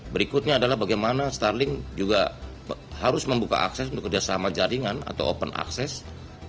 berikutnya adalah bagaimana starling juga harus membuka akses untuk kerjasama jaringan atau open access